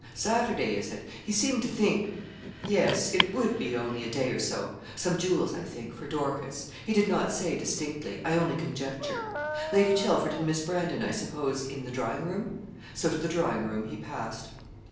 'Saturday, is it? He seemed to think yes it would be only a day or so. Some jewels, I think, for Dorcas. He did not say distinctly; I only conjecture. Lady Chelford and Miss Brandon, I suppose, in the drawing room?' So to the drawing room he passed.